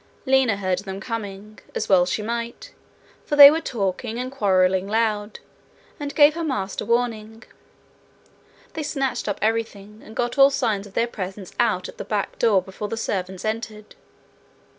Lina heard them coming, as well she might, for they were talking and quarrelling loud, and gave her master warning. They snatched up everything, and got all signs of their presence out at the back door before the servants entered.